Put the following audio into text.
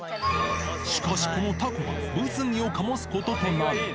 しかしこのタコが物議を醸すこととなる。